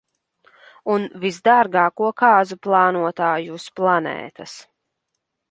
Un visdārgāko kāzu plānotāju uz planētas.